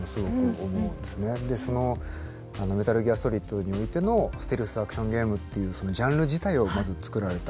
その「メタリギアソリッド」においてのステルスアクションゲームっていうそのジャンル自体をまずつくられた。